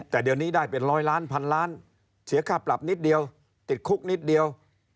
แต่เดี๋ยวนี้ได้เป็นร้อยล้านพันล้านเสียค่าปรับนิดเดียวติดคุกนิดเดียว